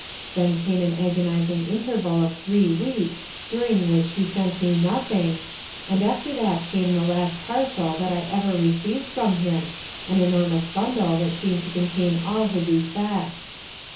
Then came an agonizing interval of three weeks during which he sent me nothing, and after that came the last parcel that I ever received from him an enormous bundle that seemed to contain all his effects.